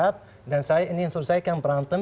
eremos masing masing orang orang berantem